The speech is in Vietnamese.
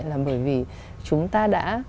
là bởi vì chúng ta đã